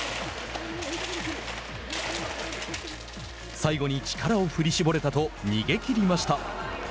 最後に力を振り絞れたと逃げきりました。